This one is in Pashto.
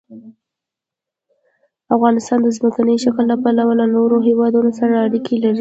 افغانستان د ځمکني شکل له پلوه له نورو هېوادونو سره اړیکې لري.